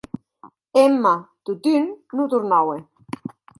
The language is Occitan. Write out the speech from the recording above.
Emma, totun, non tornaue.